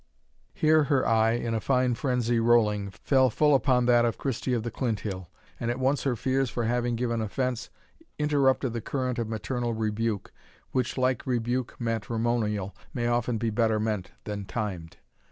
Here her eye "in a fine frenzy rolling," fell full upon that of Christie of the Clinthill, and at once her fears for having given offence interrupted the current of maternal rebuke, which, like rebuke matrimonial, may be often better meant than timed.